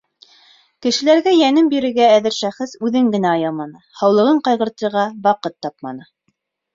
Кешеләргә йәнен бирергә әҙер шәхес үҙен генә аяманы, һаулығын ҡайғыртырға ваҡыт тапманы.